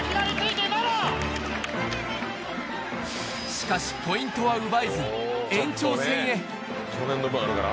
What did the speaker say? しかし、ポイントは奪えず、延長戦へ。